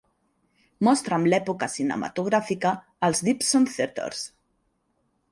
mostra'm l'època cinematogràfica als Dipson Theatres